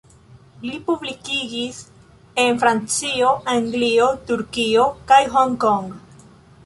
Li publikigis en Francio, Anglio, Turkio kaj Hong Kong.